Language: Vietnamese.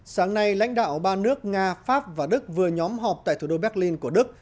sáng nay lãnh đạo ba nước nga pháp và đức vừa nhóm họp tại thủ đô berlin của đức